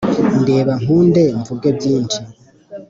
Ndeba nkunde mvuge byinshi